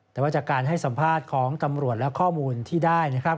แต่ว่าจากการให้สัมภาษณ์ของตำรวจและข้อมูลที่ได้นะครับ